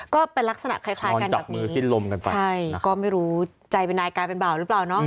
ก็เป็นลักษณะคล้ายกันแบบนี้ใช่ก็ไม่รู้ใจเป็นนายกลายเป็นเบาหรือเปล่าเนอะ